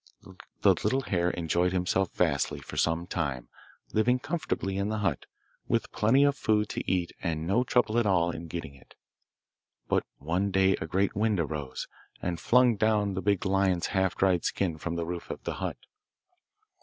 The little hare enjoyed himself vastly for some time, living comfortably in the hut, with plenty of food to eat and no trouble at all in getting it. But one day a great wind arose, and flung down the Big Lion's half dried skin from the roof of the hut.